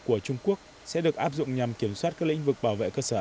của trung quốc sẽ được áp dụng nhằm kiểm soát các lĩnh vực bảo vệ cơ sở